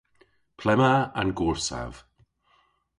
Ple'ma an gorsav?